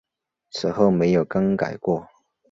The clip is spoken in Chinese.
此后没有更改过。